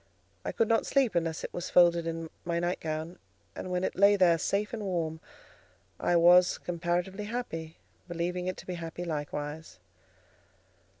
I could not sleep unless it was folded in my night gown; and when it lay there safe and warm, I was comparatively happy, believing it to be happy likewise.